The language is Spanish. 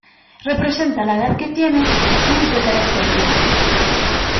Representa la edad que tiene y es de carácter firme.